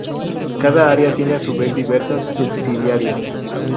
Cada área tiene a su vez diversas subsidiarias.